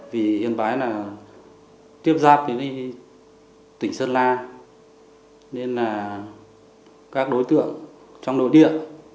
vì yên bái là tiếp giáp thì đi tỉnh sơn la nên là các đối tượng trong nội địa